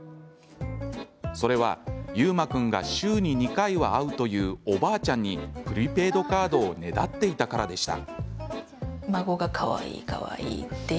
それは、悠真君が週に２回は会うというおばあちゃんにプリペイドカードをねだっていたからでした。